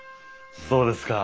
そうですか。